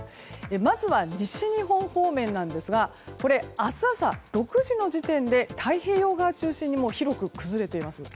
まずは西日本方面ですが明日朝、６時の時点で太平洋側中心に広く崩れています。